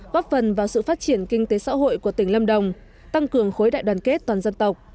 góp phần vào sự phát triển kinh tế xã hội của tỉnh lâm đồng tăng cường khối đại đoàn kết toàn dân tộc